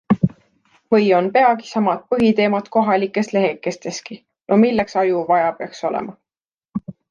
Või on peagi samad põhiteemad kohalikes lehekesteski - no milleks aju vaja peaks olema...